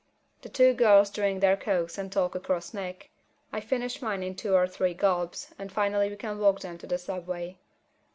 The two girls drink their cokes and talk across Nick. I finish mine in two or three gulps, and finally we can walk them to the subway.